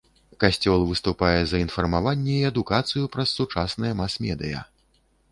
Касцёл выступае за інфармаванне і адукацыю праз сучасныя мас-медыя.